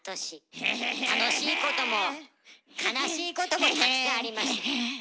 楽しいことも悲しいこともたくさんありました。